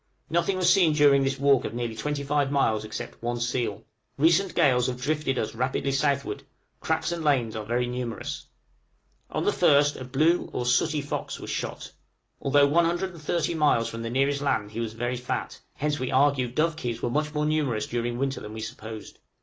Nothing was seen during this walk of nearly 25 miles except one seal. Recent gales have drifted us rapidly southward; cracks and lanes are very numerous. {RETURN OF A DESERTER.} On the 1st a blue (or sooty) fox was shot. Although 130 geographical miles from the nearest land he was very fat, hence we argue dovekies were much more numerous during winter than we supposed.